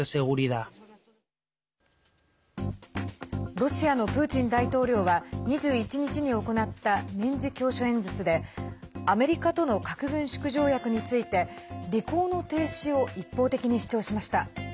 ロシアのプーチン大統領は２１日に行った年次教書演説でアメリカとの核軍縮条約について履行の停止を一方的に主張しました。